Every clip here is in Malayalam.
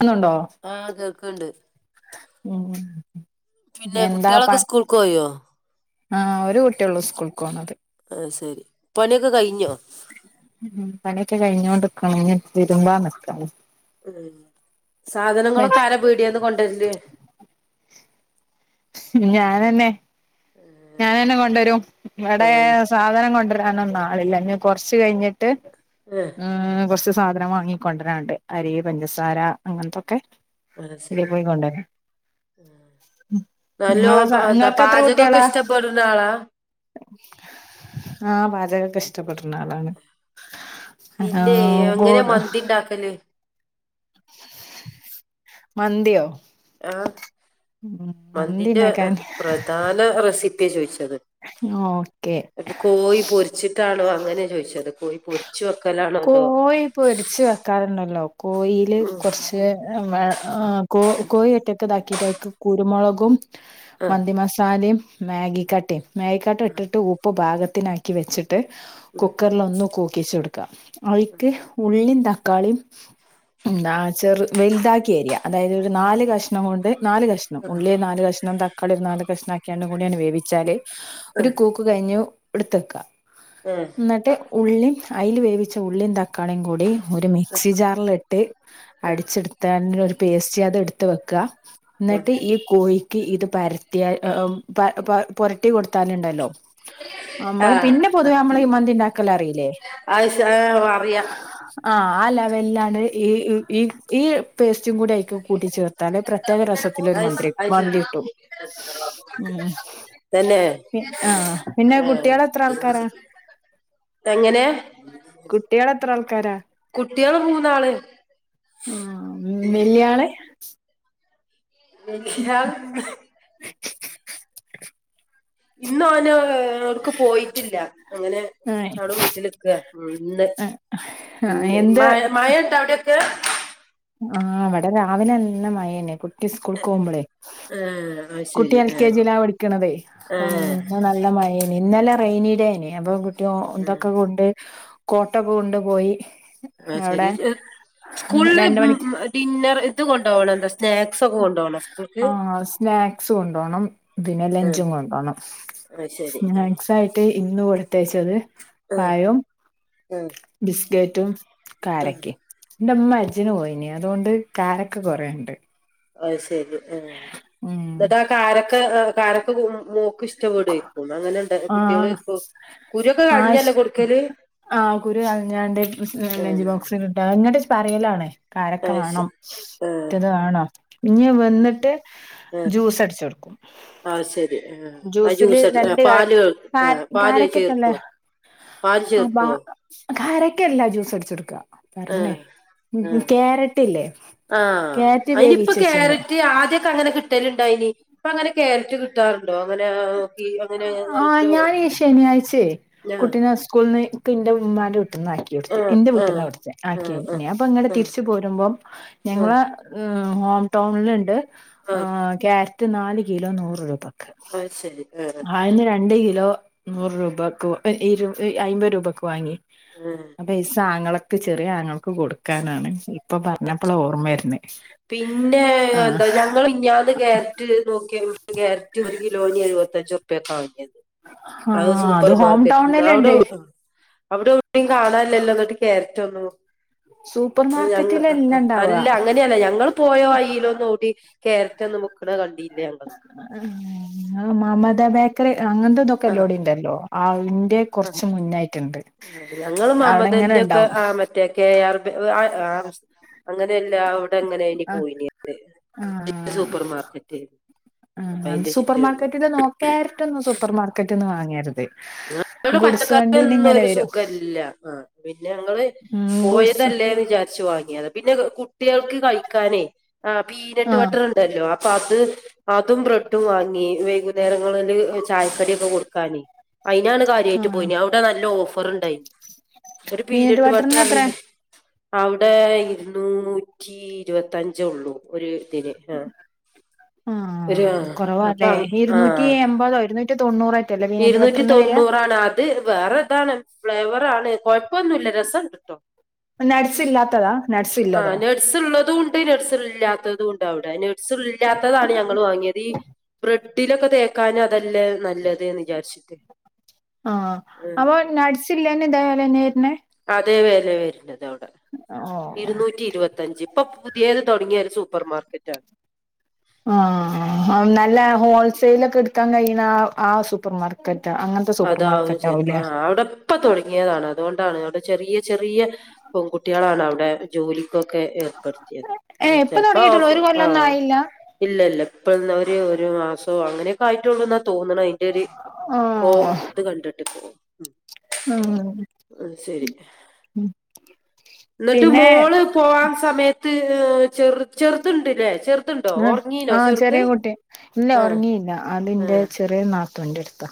ആന്നണ്ടോ ഇണ്ട് പിന്നെ എന്താ പ കുട്ടിയൊളൊക്കെ ഇസ്കൂൾക്ക് പോയോ ആ ഒരുട്ടിയെള്ളൂ സ്കൂൾക്കോണത് ശരി പണിയൊക്കെ കയിഞ്ഞോ ഉം പണിയൊക്കെ കയിഞ്ഞോണ്ടിക്കണ് ഇനി തിരുമ്പാ നിക്കണ് ഉം സാധനങ്ങളൊക്കെ ആരാ പീടേന്ന് കൊണ്ടരല് ഞാനെന്നെ ഞാനന്നെ കൊണ്ടരും ഇവിടെ ഏഹ് സാധനം കൊണ്ടരാനൊന്നും ആളില്ല ഇനി കൊറച്ച് കയിഞ്ഞ് ട്ട് ഏഹ് ഏ [unintelligible] സാധനം വാങ്ങിക്കൊണ്ടരനണ്ട് അരി പഞ്ചസാര അങ്ങൻത്തൊക്കെ ബേ പോയി കൊണ്ടരാ നല്ലോപ്പാ എന്താ നിങ്ങൾക്ക് എത്ര പാചകൊക്കെ കുട്ടികളാ ഇഷ്ടപ്പെ പെടണ ആളാ ആ പാചകൊക്കെ ഇഷ്ടപ്പെടുന്ന ആളാണ് ആ പിന്നെ എങ്ങനെ മന്തി ഇണ്ടാക്കല് മന്തിയോ ആ ഉം മന്തി മന്തിന്റെ ഉണ്ടാക്കാൻ പ്രധാന റെസിപ്പിയാ ചോയിച്ചേ ഓക്കെ കോയി പൊരിച്ചിട്ടാണോ അങ്ങനെയാ ചോയിച്ചത് കോയിപൊരിച്ച കോയി പൊരിച്ച് വെക്കാറൊന്നുല്ല കോയില് ഉം കുറച്ച് കോയി ഒറ്റകിതാക്കിയിട്ട് അയിക്ക് കുരുമുളകും ആഹ് മന്തി മസാലയും മാഗി കട്ടയും മേഗിക്കട്ട ആഹ് ഇട്ടിട്ട് ഉപ്പ് പാകത്തിനാക്കി വെച്ചിട്ട് ഉം കുക്കറിൽ ഒന്ന് കൂക്കിച്ചൊടുക്ക അയിക്ക് ഉള്ളിയും തക്കാളിയും എന്താ ചെറു വലുതാക്കി അരിയ അതായത് ഒരു നാല്കഷ്ണം കൊണ്ട് നാല് കഷ്ണം ഉള്ളി നാല്കഷ്ണം തക്കളി ഒരു നാല് കഷ്ണം ആക്കിയാണ്ടുകൂടി അങ്ങട് വേവിക്ക എന്താന്നച്ചാല് ഒരു ആഹ് കൂക്ക് കയിഞ്ഞു ഇട്‌ത്തക്ക ആഹ് എന്നിട്ട് ഉള്ളിയും അയില് വേവവിച്ച ഉളളിം തക്കാ തക്കാളിം കൂടി ഒരു മിക്സി ജാറിലിട്ട് ആഹ് അടിച്ചെടുത്തില് പേസ്റ്റ് അത് എടുത്ത് വെക്ക എന്നിട്ട് ആഹ് ഈ കോയി ഇത് പരത്തിയാ പ പെ പൊരട്ടി കൊടുത്താലുണ്ടല്ലോ നമ്മള് ആഹ് പിന്നെ പൊതുവേ നമ്മള് ഈ മന്തിണ്ടാക്കലറിലെ [unintelligible] അറിയാ ആ ലെവൽലാണ് ഈ ഈ ഈ പേസ്റ്റ് കൊറച്ച് കൂടി അയിക്ക് കൂട്ടിച്ചേർത്താല് പ്രത്യേക രസത്തില് ഒരു അയ്ശ മന്ത്രി അയ്ശരി മന്തി കിട്ടും തന്നെ ആഹ പിന്നെ ഏഹ് കുട്ടിയകളു എത്ര ആൾക്കാരാ എങ്ങനെ കുട്ടിയള് എത്ര ആൾക്കാരാ കുട്ടികള് മൂന്നാള് ആ വെല്യാള് [unintelligible] ഇന്ന് ഓന് എവിടെക്കും പോയിട്ടില്ല അങ്ങനെ ആഹ് [unintelligible] വീട്ടിലിക്ക ഇന്ന് ആഹ് ഇന്ന് ഉം [unintelligible] അവിടൊക്കെ ആ ഇവിടെ രാവിലെന്നെ [unintelligible] കുട്ടി സ്കൂൾക്ക് പോവുമ്പോളേ ഏഹ് അത് കുട്ടി ശരി എൽ കെ ഏഹ് ജിയിലാ പഠിക്കണതേ അപ്പം ഏഹ് ഇന്ന് നല്ല [unintelligible] ഇന്നലെ റെയിനിഡേ ഏനു അപ്പൊ കുട്ടി ഏഹ് ഇതൊക്കെ കൊണ്ട് കോട്ടോക്കെ കൊണ്ട്പോയി അത് അവിടെ ശരി സ്കൂളില് രണ്ടുമണിക്ക് ഡിന്നർ ഇത് കൊണ്ടോവണം എന്താ സ്നാക്സ് ഒക്കെ കൊണ്ടോവണോ സ്കൂൾക്ക് ആ സ്നാക്സ് കൊണ്ടോണം പിന്നെ ആഹ് ലഞ്ചും കൊണ്ടോണം അത് ശരി സ്നാക്സ് ആയിട്ട് ഇന്ന് കൊടുത്തയച്ചത് ആഹ് പഴവും ഉം ബിസ്കറ്റും ഉം കാരക്കും എന്റെ ഇമ്മ അജ്ജ് പോയിന് അതോണ്ട് കാരക്ക കൊറേണ്ട് അയ്ശരി ആ ഉം എന്നിട്ട് ആ കാരക്ക കാരക്ക [unintelligible] ഇഷ്ടപെടയിരിക്കും അങ്ങനെ [unintelligible] കുട്ട്യോള് ഇപ്പോ ആ ആ കുരു കളഞ്ഞാണ്ട് [unintelligible] ലഞ്ച് ആഹ് ബോക്സിലിട്ട അങ്ങട് പറയലാണേ. കാരക്ക അത് വേണം ശരി ആഹ് മറ്റത് വേണം ഇനി അത് ശരി. വന്നിട്ട് ജ്യൂസ് അടിച്ച് കൊടുക്കും. [unintelligible] ആ ശരി ആഹ് ആ ജ്യൂസില് ജ്യൂസ് അടി ആ രണ്ട് [unintelligible] പാല് ആ പാല് കാരക്കറ്റ് അല്ലേ. ചേർക്കുവോ പാല് ആ ബ ചേർക്കുവോ കരക്കല്ല ജ്യൂസ് അടിച്ചൊടുക്കുക ന്നേ ആ ആ ക്യാരറ്റ് അനിയിപ്പൊ വേവിച്ചെച്ചിണ്ട് ക്യാരറ്റ് ആദ്യക്കെ അങ്ങനെ [unintelligible] ട്ടലുണ്ടായിനി അപ്പ അങ്ങനെ കേരറ്റ് കിട്ടാറുണ്ടോ? അങ്ങനെ കി ആ അങ്ങനെ ആ അങ്ങനെ ഉണ്ടോ ഞാനീ ശനിയാഴ്ചേ ആഹ് കുട്ടീനെ സ്കൂളന്ന് ക്കെ ഉമ്മാൻ്റെ മ്മാ ക്കിടുത്തു ആഹ് എന്റെ ആഹ് വിട്ടിട്ടുന്നു കൊടുത്തേ ആ. ആഹ് [unintelligible] ആഹ് ഞാൻ ഇപ്പം ഇങ്ങട് തിരിച്ചു പോരുമ്പോം ആഹ് ആഹ് ഞങ്ങള് ഹോം ടൗണിൽണ്ട് ആഹ് ക്യാരറ്റ് നാല് കിലോ നൂറ് രൂപ. അത് ശരി ആഹ് ആയിന്ന് രണ്ട് കിലോ നൂറ് രൂപക്ക്, ഇരു അയ്മ്പത് രൂപക്ക് വാങ്ങി. ആഹ് പൈസ ആങ്ങളക്ക് ചെറിയ ആങ്ങൾക്ക് കൊടുക്കാനാണ്. ഇപ്പൊ പറഞ്ഞപ്പളാ ഓർമ്മ യത് [unintelligible] പിന്നെ എന്താ ഞങ്ങൾ ഇഞ്ഞന്ന് ക്യാരറ്റ് നോക്കിയഴ്പ്പ ക്യാരറ്റ് ഒരു കിലോനി എഴുപത്തഞ്ഞോ? [unintelligible] താങ്ങിയത് ആ അത് സൂപ്പർ ഹോം മാർക്കറ്റി അവിടെ ടൗണിലുണ്ട് അവിടെ എവിടെയും കാണാാനില്ലല്ലോ എന്നിട്ട് കരറ്റ് ഒന്നും. സൂപ്പർ ഞങ്ങ ങ് മാർക്കറ്റിലല്ല ങ് ഇണ്ടാവ അല്ല. അങ്ങനെയല്ല ഞങ്ങൾ പോയോ വയ്യിലോന്ന് ഓടി കേരറ്റ് ഒന്നും മുക്കണ കണ്ടില്ല ഞങ്ങൾ ആ് മമത ബേക്കറി അങ്ങനത്തെതൊക്കെ ആഹ് എല്ലോടെ ഉണ്ടല്ലോ. ആയിന്റെ കുറച്ച് മുന്നായിട്ട്. ഞങ്ങ മഹമ്മദൻ്റെ ഒക്കെ ആ മറ്റേ കെ ആർ ബേ [unintelligible] അങ്ങ അല്ല അവിടെ എങ്ങന നി ആ പോയി ആ സൂപ്പർ മാർക്കറ്റ് അപ്പൊ ആ അതിന്റെ സൂപ്പർ ചുറ്റിനും മാർക്കറ്റിൽ നോക്കാ ക്യാരറ്റ് ന്നു സൂപ്പർ മാർക്കറ്റ്ന്ന് വാങ്ങിയരുന്നു. നടെ പച്ചക്കറി യൊന്നുംരു വരും സൂഖല്ല ആ പിന്നെ ഞങ്ങള് ഉം ഗുഡ്സ് പോയതല്ലേന്ന് വിചാരിച്ച് വാങ്ങിയത് പിന്നെ കുട്ടികൾക്ക് കഴിക്കാനേ ആ് പീനട്ട് ആ ബട്ടറുണ്ടല്ലോ. അപ്പ അത് അതും ബ്രെഡും വാങ്ങി വൈകുന്നേരങ്ങളില് ചായക്കടി ക്കെ കൊടുക്കാന്. അയിനാണ് കാര്യയിട്ട് ആ പോയിനി അവിടെ നല്ല ഓഫർണ്ടായിന് ഒരു പീനട്ട് പീന്നട്ട് ബട്ടറിന് ബട്ടർ എത്ര ന്ന് അവിടെ ഇരുന്നുന്നൂറ്റി ഇരുപത്തഞ്ചേ ഉള്ളൂ. ഒരു ഇതിന് ആ ആ ഒരു ആ അപ്പൊ കുറവാല്ലേ ആ ഇരുന്നൂറ്റി എമ്പതോ, ഇരുന്നൂറ്റി തൊണ്ണൂറോ ഇരുന്നൂറ്റി തൊണ്ണൂറാണ്. അത് വേറെതാണ് ഫ്ലേവർ ആണ്. കുഴപ്പ ഒന്നുല്ല രസണ്ട്ട്ടോ. നട്സ് ഇല്ലാത്തതാ നട്സ് ആ ഇല്ലതോ നട്ട്സ് ഉളതു ഉ തിൽ നട്സ് ഇല്ലാത്തതുംണ്ടവിടെ നഡ്സ് ഇല്ലാത്തതാണ് ഞങ്ങൾ വാങ്ങിയത്. ഈ ബ്രെഡ് ട്ടിലൊക്കെ തേക്കാൻ അതെല്ലേ നല്ലത്. വിചാരിച്ചിട്ട് ആ ആഹ് അപ്പൊ ഉം നടസില്ലാണ്ട് ഇതെപോലെ ന്നെ വരന് അതേ വേല വരണത് അവിടെ. ഓഹ് ഇരുന്നൂറ്റി ഇരുപത്തിയഞ്ച് ഇപ്പൊ പുതിയത് തുടങ്ങിയ ഒരു സൂപ്പർ മാർക്കറ്റ ആ ആ നല്ല ഹോൾസെയിൽ ഒക്കെ എടുക്കാൻ കഴിയുന്ന അ ആ സൂപ്പർ മാർക്കറ്റ് അങ്ങനത്തെ സൂപ്പർ അതാവും മാർക്കറ്റ് ചെരിപ്പ ആവൂലേ ആ അവിടെ ഇപ്പ തുടങ്ങിയതാണ്. അതുകൊണ്ടാണ് അവിടെ ചെറിയ ചെറിയ പെൺകുട്ടികളാണ് അവിടെ ജോലി. ഒക്കെ ഏർപ്പെടുത്തിയത് ഏഹ് ഇപ്പൊ ചിലപ്പോ തുടങ്ങിയിട്ടുള്ളൂ പ്പ് ഒരു കൊല്ലൊന്നും ആയില്ല ഇല്ല ഇല്ല ഇപ്പന്ന് ഒരു ഒരു മാസോ അങ്ങനെയൊക്കെ ആയിട്ടള്ളൂ. എന്നാ തോന്നണ് അയിന്റെ ഒരു ഇത് കോ ആഹ് ഇത് കണ്ടിട്ട് പോ ഉം ആ ശരി എന്നിട്ട് പിന്നെ മോള് പോവാൻ സമയത്ത് ചെറ് ചെറുതുണ്ടില്ലേ? ചെറു ചെറുതുണ്ടോ ആ ഉറങ്ങീനോ ആ ചെറുത് ചെറിയ കുട്ടി ണ്ട് ഇല്ല ആ ഉറങ്ങിയില്ല ആ അതിന്റെ ചെറിയ ന തൊണ്ടെടുത്ത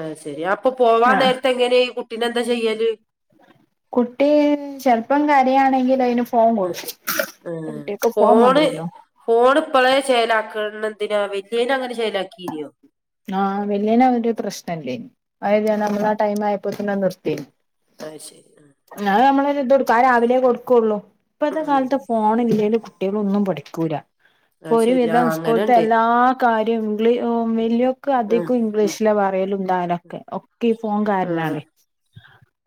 ആഹ ശരി അപ്പൊ പോവാൻ നേരത്തെ എങ്ങനെയാ ഈ കുട്ടീനെ എന്താ ചെയ്യല്ല്. കുട്ടി ചെലപ്പം കരയാണെങ്കിൽ അതിന് ഫു ആ ഫോണ് മതിയല്ലോ ഫോണ് ഇപ്പോളേ ചേലാക്കണന്തിനാ വല്യേയിനെ അങ്ങനെ ചേലാക്കീന്നോ. ആഹ് വല്യോനതൊരു പ്രശ്നംല്ലേ അതായത് നമ്മൾ ആ ടൈം ആയപ്പോത്തിന് അത് നിർത്തി. ആഹ് ശരി ആ [inaudible] കൊടുക്കും ആ രാവിലെ കൊടുക്കൊള്ളൂ. ഇപ്പഴത്തെ ഉം കാലത്ത് ഫോണില്ലേലും കുട്ടികളൊന്നും പഠിക്കൂല. ഇപ്പൊ അത് ശരി ഒരുവിധം ആഹ് സ്കൂൾത്തെ അങ്ങനെണ്ട് എല്ലാ കാര്യവും ഇ വല്യോ ക്കെ ആഹ് അതികം ഉം ഇംഗ്ലീഷില പറയലും ണ്ടാവലൊക്കെ ഒക്കെ ഈ ഫോൺ കാരനാണേ. ആഹ്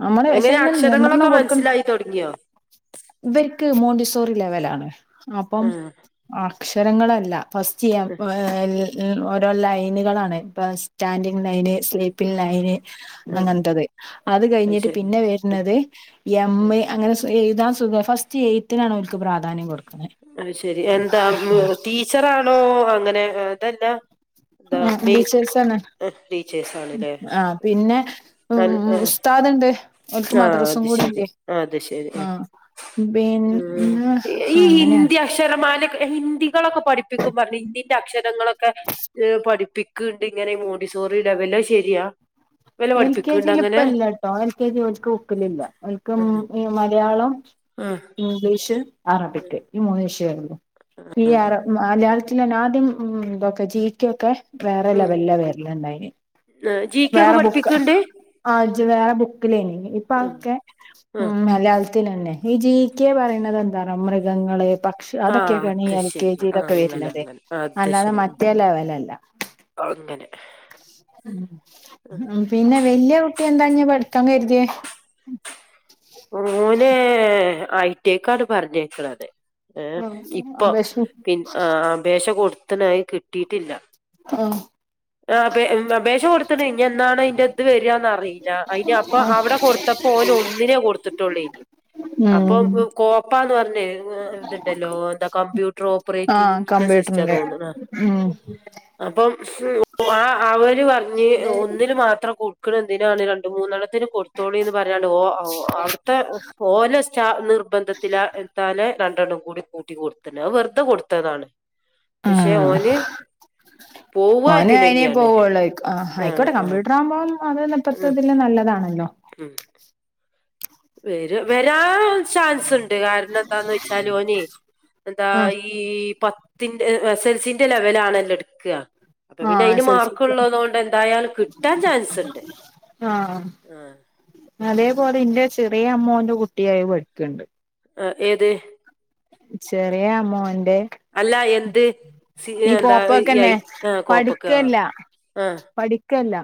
നമ്മള് പക്ഷേ എങ്ങനെ അയിന് നിയന്ത്രണം അക്ഷരങ്ങളൊക്കെ കൊടുക്കണം. മനസ്സിലായി തൊടങ്ങിയോ ഇവർക്ക് മോണ്ടിസോറി ലെവലാണ്. അപ്പം ആഹ് അക്ഷരങ്ങളല്ല ഫസ്റ്റ് ചെയ്യാൻ ആഹ് ഏ ഉം ഓരോ ലൈനുകളാണ് ഇപ്പൊ സ്റ്റാൻഡിങ്ങ് ലൈൻ സ്ലീ പിന്നായിന് ആഹ് അങ്ങനത്തത് അത് കഴിഞ്ഞിട്ട് ശരി പിന്നെ ആഹ് വരുന്നത് എമ്മ് അങ്ങനെ ഈ ന്നാ സുഖം. ഫസ്റ്റ് എയ്ത്തിനാണ് അവർക്ക് പ്രാധാന്യം കൊടുക്ക അത് ശരി എന്താ ടീച്ചറാണോ അങ്ങനെ അതല്ല എന്താ ആ മെയ് ടീച്ചേഴ്സെന്ന ടീച്ചേഴ്സാണ്ല്ലേ ആഹ് പിന്നെ ഉം ഉം ഉസ്താദ്ണ്ട്. ഓൽക്ക് ആഹ് മദ്രസും അത് ശരി കൂടിണ്ട് അത് ശരി ആ ഉം ഉം പിന്നെ ഈ ഹിന്ദി അങ്ങനെയാ ഹിന്ദി അക്ഷരമാ ഹിന്ദികളൊക്കെ പഠിപ്പിക്കും പറഞ്ഞു ഹിന്ദിന്റെ അക്ഷരങ്ങളൊക്കെ പഠിപ്പിക്കു ക്ക്ണ്ട് ഇങ്ങനെ മോണ്ടി സോറി ലെവൽ അത് ശരിയാ? വല്ല എൽ കെ പഠിപ്പിക്കണ്ട് ജി അങ്ങനെ ലിപ്പംല്ലട്ടോ എൽ കെ ക്ക് ഒക്കലില്ല ഓല്ക് ആഹ് മലയാളം ആഹ് ഇംഗ്ലീഷ് അറബിക്ക് ഈ മൂന്ന് വിഷയള്ളൂ ഈ ആ ല മലയാളത്തില് ലെന്ന് ആദ്യം ഉം ഇതൊക്കെ ജി ക്യു ഒക്കെ വേറെ ഉം ലെവലില വെരലിണ്ടായിന് വേറെ ബു ക്കണ്ട്. കൊറച്ച് നേരം ബുക്കിലയ്ന്നു. ഇപ്പതൊക്കെ ആഹ് മലയാള ത്തിലെന്നെ ഈ ജീക്കെ പറയുന്നത് എന്താണ് മൃഗങ്ങള് പക്ഷെ അതൊകൊ ആഹ് ക്കെയാണ് ഈ അത് എൽ കെ ശരി ജി ആഹ് ലൊക്കെ അങ്ങനെ വരുന്നത്. അങ്ങനെ അത് അല്ലാതെ ശരി ഉം. മറ്റേ ലെവലല്ല. അങ്ങനെ പിന്നെ വല്യ കുട്ടി എന്താഞ്ഞ് പഠിക്കാൻ കര്തിയേ? ഓനെ ഐ ടി ഐ ക്കാണ് പറഞ്ഞയക്കണത്. ഏ ഇപ്പൊ അപേക്ഷ പിന്ന ആ അപേക്ഷ കൊടുത്ത്ന് അത് കിട്ടിയിട്ടില്ല. ആഹ് ആ അതെ അപേക്ഷ കൊടുത്തണ് ഇന്ഞ് എന്നാണയ്ന്റെ ഇത് വരാന്ന് അറീല്ല. അയിന് അപ്പൊ അവിടെ കൊടുത്തപ്പോ ഓന് ഒന്നിനേ കൊടുത്തിട്ടൊള്ളയ്ന്. അപ്പൊ ഉം കോപ്പാന്ന് പറഞ്ഞ് ഇതുണ്ടല്ലോ എന്താ കമ്പ്യൂട്ടർ ആ ഓപ്പറേറ്റിംഗിന്റെ ചിസ്റ്റ കമ്പ്യൂട്ടറിന്റെ തോന്ന്ണാ [unintelligible] ഉം അപ്പം ആ അവര് പറഞ്ഞ് ഒന്നില് മാത്രം കൊടുക്കണന്തിനാണ് രണ്ട് മൂന്നെണ ത്തിന് കൊടുത്തോളീന്ന് പറഞാണ്ട് ഓ അവിടുത്തെ ഓലെ സ്റ്റാ നിർബന്ധത്തില എത്താലെ രണ്ടെണ്ണം കൂടി കൂട്ടി കൊടുത്തുണ് അത് വെറുതെ കൊടുത്തതാണ്. പക്ഷെ ഉം ഓന് പോവ മോന് അയിനേ ഇതിനന്നെയാണ് പോവുള്ളൂ ആ ആഹ് ആയിക്കോട്ടെ ആഹ് കമ്പ്യൂട്ടർ ആവുമ്പോ അത് ഉം ഇപ്പത്തതിൽ നല്ലതാണല്ലോ. ഉം വരു വരാൻ ചാൻസ്ണ്ട്. കാരണം എന്താന്ന് വെച്ചാല് ഓനെ എന്താ ആ ഈ പ ത്തിന്റെ സെൽസിന്റെ ലെവലാണെല്ലോ എടുക്കുക അപ്പൊ ആ പിന്നെ അയി ന് എസ് എൽ സിക്ക് മാർക്ക്ള്ള തോണ്ട് എന്തായാലും കിട്ടാൻ ചാൻസ് ഉണ്ട് ആ ആ അതേപോലെ ഇന്റെ ചെറിയ അമ്മോന്റെ കുട്ടിയത് പഠിക്ക്ണ്ട്. ആ ഏത്? ചെറിയ അമ്മോന്റെ അല്ലാ എന്ത്? കോപ്പൊക്കെന്നെ പഠിക്കല്ല [unintelligible] പഠിക്കല്ല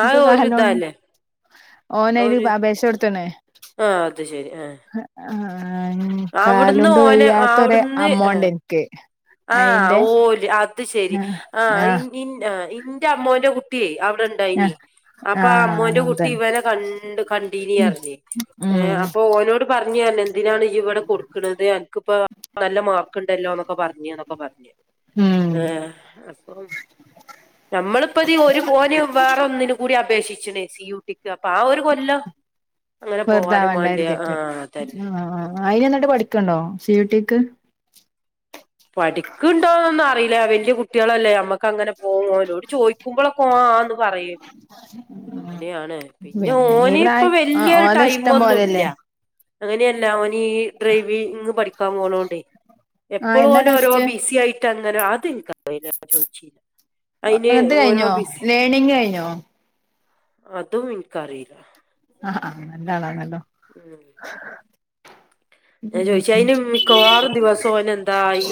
ആഹ ഒരു ഇതാല്ലേ? ഓനയിന് അബേശ കൊടുത്ണ്. ആ അത് ശരി ആഹ ആ ന് കാലോണ്ട് വയ്യാത്തൊരു അമ്മോണ്ട്നിക്ക്. ആഹ് ഓല് അത് ശെരി ആ ആഹ് ആ ഇന്റ ഇൻറെ അമ്മോന്റെ കുട്ടിയേ ആ ഇവിടെണ്ടായിനി അപ്പൊ ആ അമ്മോന്റെ കുട്ടി അതാണ് ഇവനെ കണ്ട് കണ്ടീനീറിഞ്ഞ്. ഉം ഏ അപ്പൊ ഓനോട് പറഞ്ഞു പറഞ്ഞ് എന്തിനാണ് ഇവിടെ കൊടുക്ണത് അനക്കിപ്പോ നല്ല മാർക്ക്ണ്ടല്ലോന്നൊക്കെ പറഞ്ഞ് ന്നൊക്കെ പറഞ്ഞു. ഉം ആഹ അപ്പോ നമ്മളിപ്പതീ ഒരു ഓന് വേറെ ഒന്നിനു കൂടി അപേക്ഷിച്ച്ണ്. സി യൂ ട്ടിക്ക് അപ്പൊ ആ ഒരു കൊല്ലം. അങ്ങനെ പോവാനും വേണ്ടി ആ വെറുതാവണ്ടാരുതീട്ട് അതന്നെ ആ അയിന് ന്നിട്ട് പഠിക്ക്ണ്ടോ സി യു ട്ടിക്ക്. പഠിക്ക്ണ്ടോന്നൊന്നും അറിയില്ല വല്യ കുട്ടിയാളല്ലേ നമ്മക്ക് അങ്ങനെ ഓ ഓനോട് ചോയിക്കുമ്പോളൊകെ ഓൻ ആന്ന് പറയും. അങ്ങനെയാണ് പിന്നെ ഈ ഓന് ഇപ്പൊ പ്രായം ആ വല്യൊരു ഓലെ ഇഷ്ടം ടൈമൊന്നുല്ല. പോലെല്ലേ അങ്ങനെയല്ല ഓനീ ഡ്രൈവിങ് പഠിക്കാൻ പോണോണ്ടെയ് എ ആ എപ്പോളും എന്നാ ഓനോ ഓരോ ടെസ്റ്റ് ബിസി ആയിട്ട് അങ്ങനെ അത് ഇനിക്കറീല ഞാൻ ചോദിച്ചില്ല അയിന് അങ്ങനത്തെ ഓരോ കഴിഞ്ഞോ ബിസി ലേണിങ് കഴിഞ്ഞോ? അതും ഇൻകറില്ല. ആഹ ആഹ നല്ലാള നല്ല ഉം ഞാൻ ചോദിച്ച ഉം അതിന് മിക്കവാറും ദിവസം ഓനെന്തായി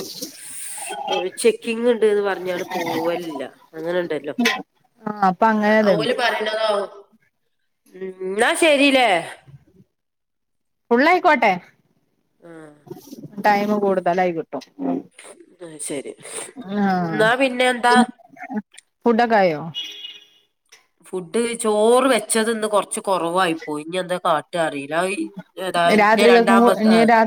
ചെക്കിങ് ഇണ്ട്ന്ന് പറഞ്ഞാണ്ട് പോവലില്ല അങ്ങനെണ്ടല്ലോ. ആ അപ്പൊ അങ്ങനെതുണ്ട് ഓല് പറയ്ണതാവും. ഉം ന്നാ ശരിലേ ഫുൾയിക്കോട്ടെ ടൈമ് കൂടുതലായി കിട്ടും. ആ ശരി എന്നാ പിന്നെ എന്താ ഫുടൊക്കെയോ. ഫുഡ്. ചോറ് വെച്ചത് ഇന്ന് കൊറച്ച് കുറവായി പോയി ഇനി എന്താ കാട്ട അറില. [unintelligible] ന്റെ രാത്രികക്കും രണ്ടാമത്തെ. ഇനി രാ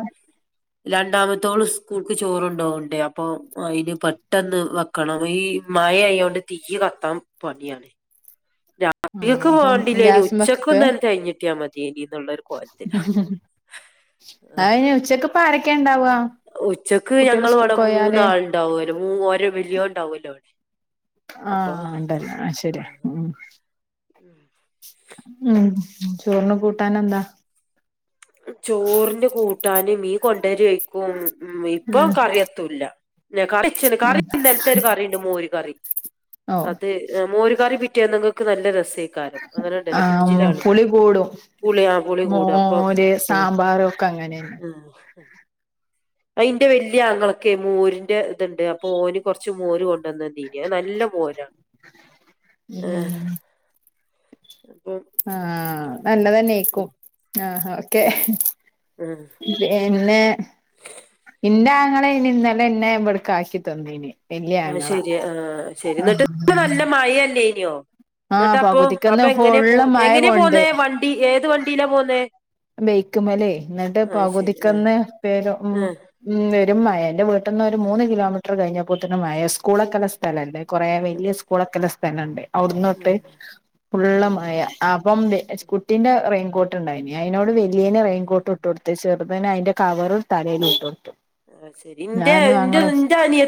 രണ്ടാമത്തോൾ സ്കൂൾക്ക് ചോറുണ്ടോണ്ടേ അപ്പൊ അയിന് പെട്ടെന്ന് വെക്കണം ഈ ഈ മഴയായോണ്ട് തീ യ് കത്താൻ പണിയാണ്. ആ രാത്രിക്ക് അപ്പൊ പോകേണ്ടിലിനി ഉച്ചക്ക് ഒന്ന് തെകഞ്ഞിട്ടിയാ മതി. [unintelligible] ആ. അ അയിന് ഉച്ചക്ക് പരോക്കെ ഉച്ചക്ക് ഞങ്ങളിവിടെ സ്കൂൾക്ക് പോയാല് മൂന്നാൾണ്ടാവുല്ലോ, മൂ ഓ വലിയോ ഇണ്ടാവലോ ഇവിടെ. ആഹ ഉണ്ടല്ല ആ ശരിയാ ഉ ഉം ഉ ഉ ചോറിന് കൂട്ടാനെന്താ ചോറിന് കൂട്ടാന് മീൻ കൊണ്ടൊരേയ്ക്കും ഉ ഇപ്പൊ കറിയെത്തുല്ല. കറി വെച്ചന് ഉം ഇന്നലത്തെ ഒരു കറിണ്ട് മോര് കറി. ഓ അത് മോരുകറി പിറ്റേന്നക്ക് നല്ല രസാ ക്കാരും അങ്ങനെ ആ ഇണ്ടലോ ഫ്രിഡ്ജിലാണ്. പുളി കൂടും പുളി ആ പുളി കൂടും അപ്പൊ ആഹ് സമ്പരൊക്കെ അങ്ങനാണ്. ആഹ് അയിന്റെ വെല്ല്യ ആങ്ങളെക്കെ മോരിന്റെ ഇതുണ്ട്. അപ്പൊ ഓന് കൊർ ച്ച് മോര് കൊണ്ടൊന്ന്. ടി അഹ് നല്ല മോരാണ് ഏ ആ അങ്ങനെ നല്ലതെന്നേക്കും ആഹ ആഹ് ഓക്കെഹെ ആഹ് എ പിന്നെ ഇന്റെ അങ്ങളെനി ഇന്നലെ ഇന്നെ ഇവിട്ക്കാക്കി തന്നിനിയ്. ആഹ് വെല്ല്യങ്ങള. ശരി ആഹ് ശരി ന്ന്ട്ട് അപ്പൊ അപ്പൊ എങ്ങനെ ഫുള്ള് പോന്ന് മഴ എങ്ങനെ പൊന്നെ, കൊണ്ടോയി വണ്ടി. ഏത് വണ്ടിയിലാ പൊന്നെ ബൈക്കുമലേ ന്നിട്ട് ആഹ് പകുതിക്കെന്ന് വേഗം മം ആഹ് മം രും മഴ എന്റെ വീട്ട്ന്നൊരു ഒരു മൂന്ന് കിലോമീറ്റർ കഴിഞ്ഞപ്പോത്തിനും മഴ സ്കൂ സ്കൂൾവെക്കാനുള്ള സ്ഥലണ്ട് കൊറെ വല്ല്യ സ്കൂൾവെക്കാനുള്ള സ്ഥലണ്ട്. ആവൂ ള്ള് ആഹ് ഫുള്ള് ആഹ് മഴ അപ്പം കുട്ടീന്റെ റെയിൻകോട്ട് ണ്ടായിനിം അയിനോട് വെലീന് റെയിൻകോട്ട് ഇട്ട്ട്ടോടുത്ത്. ചെറുതിന് അയിന്റെ കവർ തലയിൽ ഇട്ടൊടുത്ത്. ആഹ് ശെരി ഇന്റെ ഇന്റെ ന്റെ അനിയൻ